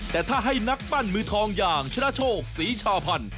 แต่ถ้าให้นักปั้นมือทองอย่างชนะโชคศรีชาพันธ์